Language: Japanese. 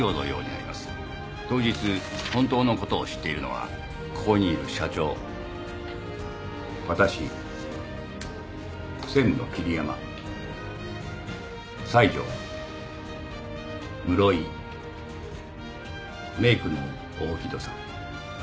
当日本当のことを知っているのはここにいる社長私専務の桐山西條室井メークの大木戸さん。